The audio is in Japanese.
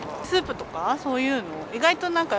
スープとか、そういうの。